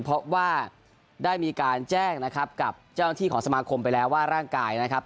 เพราะว่าได้มีการแจ้งนะครับกับเจ้าหน้าที่ของสมาคมไปแล้วว่าร่างกายนะครับ